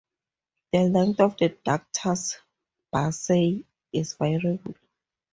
The length of the ductus bursae is variable.